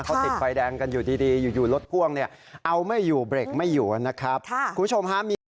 เขาติดไฟแดงกันอยู่ดีอยู่รถพ่วงเอาไม่อยู่เบรคไม่อยู่นะครับ